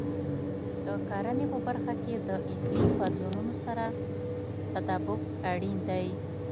د کرنې په برخه کې د اقلیم بدلونونو سره تطابق اړین دی.